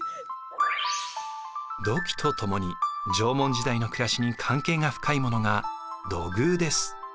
土器と共に縄文時代の暮らしに関係が深いものが土偶です。